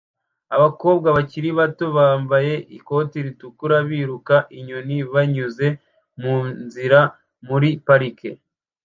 Abakobwa bakiri bato bambaye ikote ritukura biruka inyoni banyuze mu nzira muri parike